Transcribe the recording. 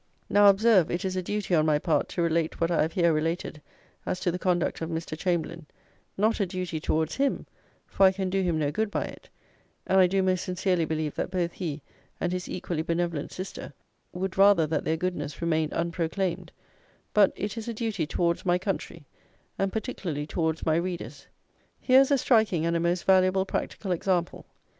Now observe, it is a duty, on my part, to relate what I have here related as to the conduct of Mr. Chamberlayne; not a duty towards him; for I can do him no good by it, and I do most sincerely believe, that both he and his equally benevolent sister would rather that their goodness remained unproclaimed; but it is a duty towards my country, and particularly towards my readers. Here is a striking and a most valuable practical example.